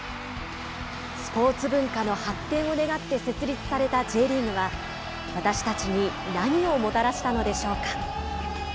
スポーツ文化の発展を願って設立されたＪリーグは、私たちに何をもたらしたのでしょうか。